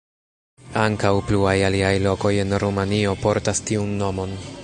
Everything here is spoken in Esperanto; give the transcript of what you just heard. Ankaŭ pluaj aliaj lokoj en Rumanio portas tiun nomon.